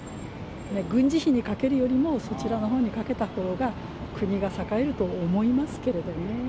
軍事費にかけるよりもそちらのほうにかけたほうが、国が栄えると思いますけどね。